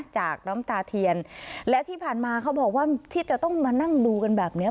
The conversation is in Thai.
จากน้ำตาเทียนและที่ผ่านมาเขาบอกว่าที่จะต้องมานั่งดูกันแบบเนี้ย